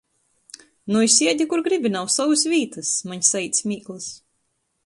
"Nui, siedi kur gribi, nav sovys vītys!" maņ saīt smīklys.